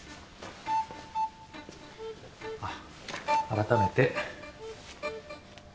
あっ改めて。